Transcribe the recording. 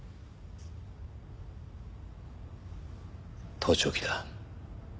盗聴器だ。